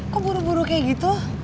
kok buru buru kayak gitu